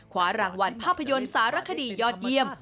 คว้ารางวัลภาพยนตร์สารคดียอดเยี่ยม